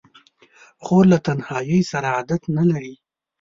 خور له تنهایۍ سره عادت نه لري.